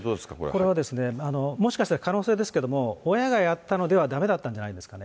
これはですね、もしかして可能性ですけれども、親がやったのではだめだったんじゃないですか。